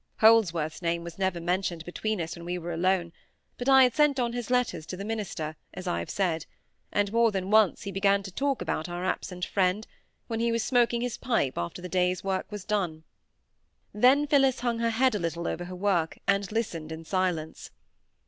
Holdsworth's name was never mentioned between us when we were alone; but I had sent on his letters to the minister, as I have said; and more than once he began to talk about our absent friend, when he was smoking his pipe after the day's work was done. Then Phillis hung her head a little over her work, and listened in silence.